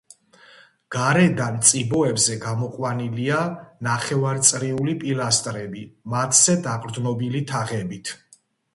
გარედან წიბოებზე გამოყვანილია ნახევარწრიული პილასტრები, მათზე დაყრდნობილი თაღებით.